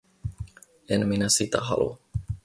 En minä sitä halua.